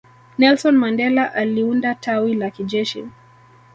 nelson mandela aliunda tawi la kijeshi